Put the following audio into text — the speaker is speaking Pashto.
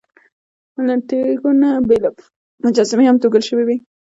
له تیږو نه بېلابېلې مجسمې هم توږل شوې وې.